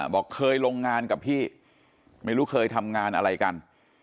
บอกเคยลงงานกับพี่ไม่รู้เคยทำงานอะไรกัน